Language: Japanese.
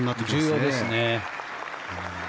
重要ですね。